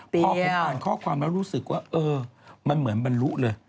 พอคุณอ่านข้อความแล้วรู้สึกว่ามันเหมือนบำรุล่ะ